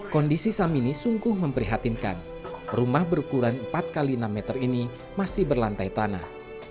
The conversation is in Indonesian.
kondisi samini sungguh memprihatinkan rumah berukuran empat x enam meter ini masih berlantai tanah